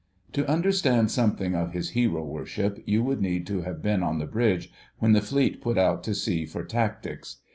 To understand something of his hero worship you would need to have been on the bridge when the Fleet put out to sea for tactics.